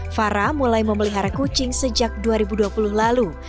farah mulai memelihara kucing sejak dua ribu dua puluh lalu